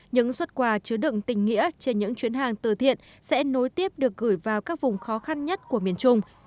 những xuất quà chứa đựng tình nghĩa trên những chuyến hàng từ thiện sẽ nối tiếp được gửi vào các vùng khó khăn nhất của miền trung